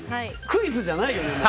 クイズじゃないじゃん。